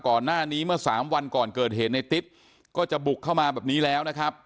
ก่อนหน้านี้เมื่อสามวันก่อนเกิดเหตุในติ๊ดก็จะบุกเข้ามาแบบนี้แล้วนะครับ